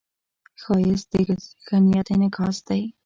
ښایست د ښه نیت انعکاس دی